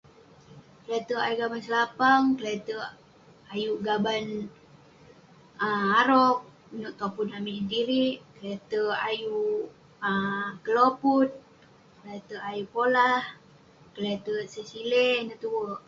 Kle'terk ayuk gaban selapang, kle'terk ayuk gaban arok nouk topun amik sedirik, kle'terk ayuk um keloput, kle'terk ayuk polah, kle'terk sey siley..ineh tuwerk..